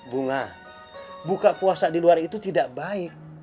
bunga buka puasa di luar itu tidak baik